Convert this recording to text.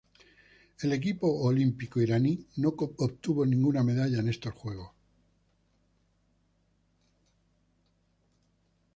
El equipo olímpico iraní no obtuvo ninguna medalla en estos Juegos.